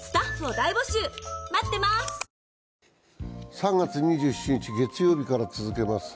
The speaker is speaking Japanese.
３月２７日、月曜日から続けます。